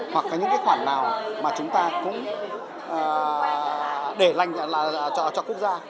hoặc là những cái khoản nào mà chúng ta cũng để cho quốc gia